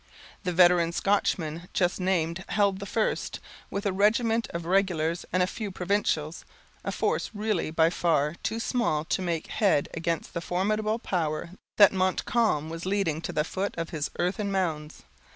The veteran Scotchman just named held the first, with a regiment of regulars and a few provincials; a force really by far too small to make head against the formidable power that Montcalm was leading to the foot of his earthen mounds.